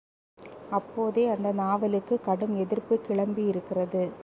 அப்போதே அந்த நாவலுக்கு கடும் எதிர்ப்பு கிளம்பியிருக்கிறது.